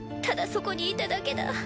ただそこにいただけだ。